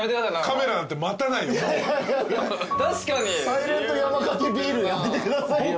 サイレント山かけビールやめてくださいよ。